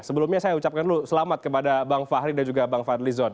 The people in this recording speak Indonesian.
sebelumnya saya ucapkan dulu selamat kepada bang fahri dan juga bang fadlizon